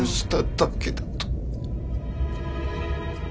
だけだと。